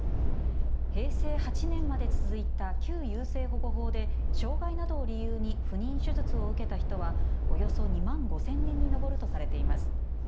平成８年まで続いた旧優生保護法で障害などを理由に不妊手術を受けた人はおよそ２万５０００人に上るとされています。